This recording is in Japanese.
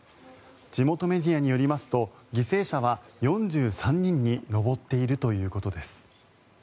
地元メディアによりますと犠牲者は４３人に上っているということです。